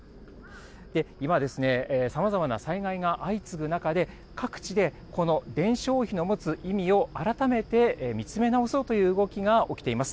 今、さまざまな災害が相次ぐ中で、各地でこの伝承碑の持つ意味を改めて見つめ直そうという動きが起きています。